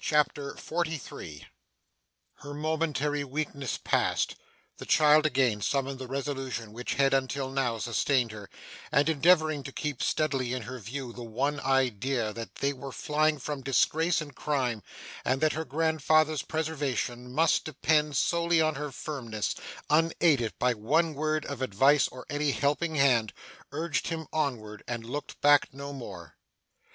CHAPTER 43 Her momentary weakness past, the child again summoned the resolution which had until now sustained her, and, endeavouring to keep steadily in her view the one idea that they were flying from disgrace and crime, and that her grandfather's preservation must depend solely on her firmness, unaided by one word of advice or any helping hand, urged him onward and looked back no more.